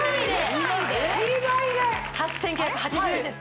２枚で８９８０円です